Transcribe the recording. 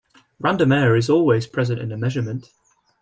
Random error is always present in a measurement.